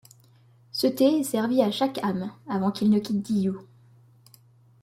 Ce thé est servi à chaque âme avant qu'il ne quitte Diyu.